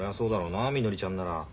なみのりちゃんなら。